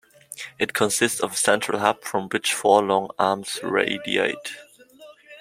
It consists of a central hub, from which four long arms radiate.